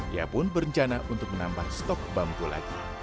ia pun berencana untuk menambah stok bambu lagi